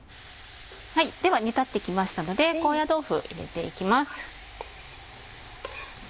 では煮立ってきましたので高野豆腐入れていきます。